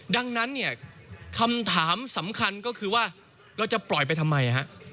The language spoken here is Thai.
ดังนั้นเนี่ยคำถามสำคัญก็คือว่าเราจะปล่อยไปทำไมฮะ